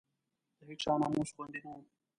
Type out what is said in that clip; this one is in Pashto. د هېچا ناموس خوندي نه وو.